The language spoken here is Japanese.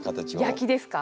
焼きですか？